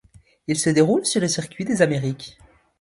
Il se déroule sur le circuit des Amériques.